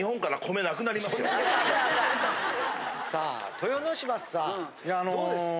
豊ノ島さんどうですか？